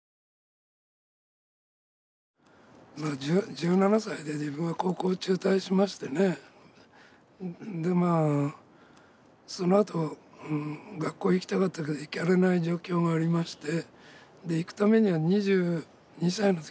１７歳で自分は高校を中退しましてねでまあそのあと学校行きたかったけど行かれない状況がありまして行くためには２２歳の時だったかな